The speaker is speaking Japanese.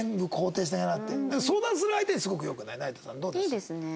いいですね。